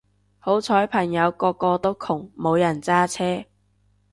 好彩朋友個個都窮冇人揸車